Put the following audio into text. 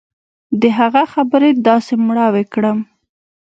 د هغه خبرې داسې مړاوى کړم.